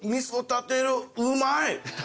うまい！